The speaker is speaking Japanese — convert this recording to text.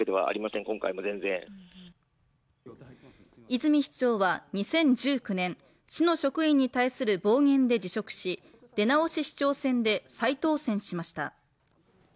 泉市長は２０１９年市の職員に対する暴言で辞職し出直し市長選で再当選しました。